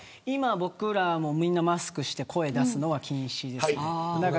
今僕らもみんなマスクして声出すのは、禁止ですね。